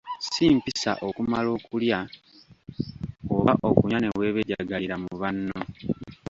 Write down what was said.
Si mpisa okumala okulya oba okunywa ne weebejjagalira mu banno.